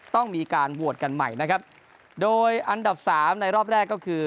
ต้องมีการโหวตกันใหม่นะครับโดยอันดับสามในรอบแรกก็คือ